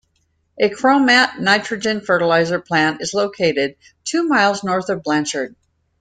A Cropmate nitrogen fertilizer plant is located two miles north of Blanchard.